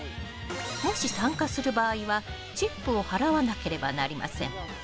もし参加する場合は、チップを払わなければなりません。